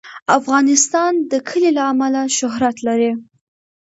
افغانستان د کلي له امله شهرت لري.